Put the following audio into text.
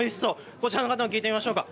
こちらの方も聞いてみましょうか。